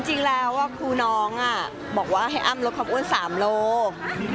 จริงแล้วครูน้องบอกว่าให้อ้ำลดความอ้วน๓โลก